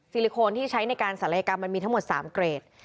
ลิโคนที่ใช้ในการศัลยกรรมมันมีทั้งหมด๓เกรด